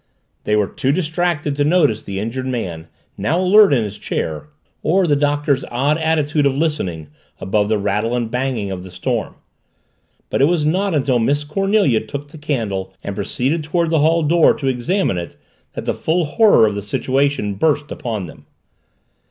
They were too distracted to notice the injured man, now alert in his chair, or the Doctor's odd attitude of listening, above the rattle and banging of the storm. But it was not until Miss Cornelia took the candle and proceeded toward the hall door to examine it that the full horror of the situation burst upon them.